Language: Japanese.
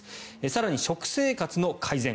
更に食生活の改善。